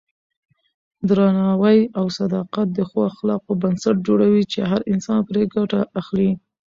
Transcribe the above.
درناوی او صداقت د ښو اخلاقو بنسټ جوړوي چې هر انسان پرې ګټه اخلي.